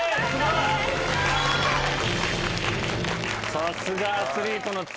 さすがアスリートの妻。